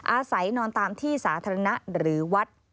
อาศัยนอนตามที่สาธารณะหรือวัด